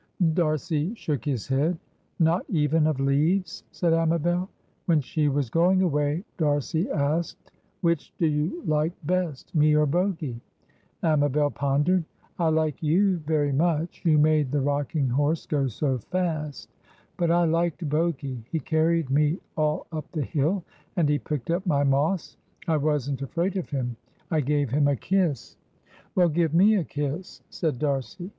D'Arcy shook his head. "Not even of leaves?" said Amabel. When she was going away, D'Arcy asked, "Which do you like best, me or Bogy?" Amabel pondered. "I like you very much. You made the rocking horse go so fast; but I liked Bogy. He carried me all up the hill, and he picked up my moss. I wasn't afraid of him. I gave him a kiss." "Well, give me a kiss," said D'Arcy.